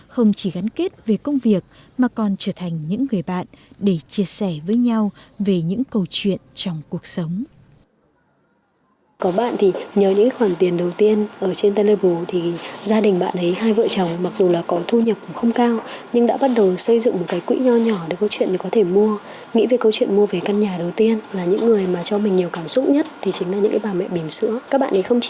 không chỉ gắn kết về công việc mà còn trở thành những người bạn để chia sẻ với nhau về những câu chuyện trong cuộc sống